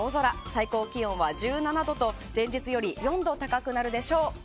最高気温は１７度と前日より４度高くなるでしょう。